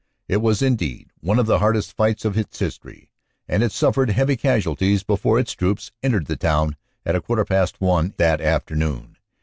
It was indeed one of the hardest fights of its history, and it suffered heavy casualties before its troops entered the town at a quarter past one that afternoon.